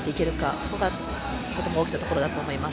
そこがすごく大きかったところだと思います。